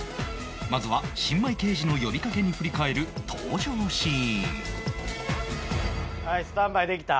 まずは新米刑事の呼びかけに振り返る登場シーンはいスタンバイできた？